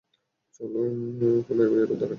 চল কোণায় গিয়ে দেখা করি।